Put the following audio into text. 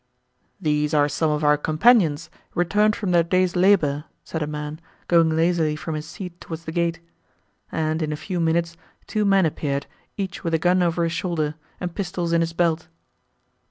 "These are some of our companions, returned from their day's labour," said a man, going lazily from his seat towards the gate; and in a few minutes, two men appeared, each with a gun over his shoulder, and pistols in his belt.